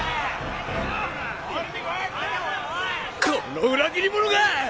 この裏切り者が！